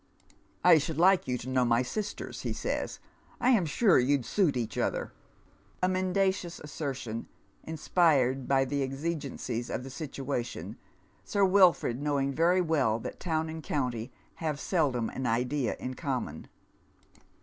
" I should like you to know my sisters," he says, " I am sure you'd suit each other," — a mendacious assertion inspired by the exigencies of the situation, Sir Wilford knowing very well that town and count}' have seldom an idea in common.